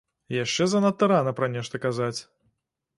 Яшчэ занадта рана пра нешта казаць.